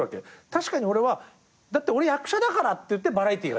確かに俺は「だって俺役者だから」って言ってバラエティーができる。